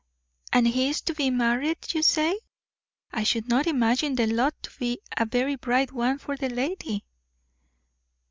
"And he is to be married, you say? I should not imagine the lot to be a very bright one for the lady."